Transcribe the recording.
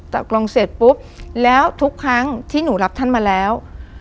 ตกลงเสร็จปุ๊บแล้วทุกครั้งที่หนูรับท่านมาแล้ว